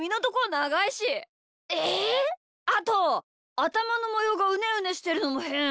あとあたまのもようがうねうねしてるのもへん！